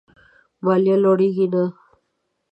ماليه لوړېږي نه.